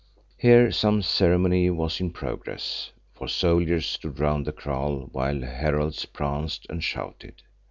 Here some ceremony was in progress, for soldiers stood round the kraal while heralds pranced and shouted.